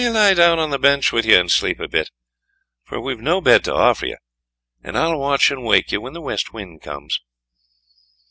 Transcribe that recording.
"Lie down on the bench with you and sleep a bit, for we've no bed to offer you, and I'll watch and wake you when the West Wind comes."